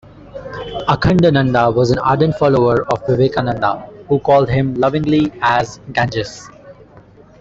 Akhandananda was an ardent follower of Vivekananda, who called him lovingly as "Ganges".